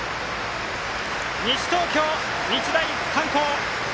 西東京、日大三高。